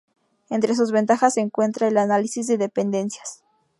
Entre sus ventajas se encuentra el análisis de dependencias.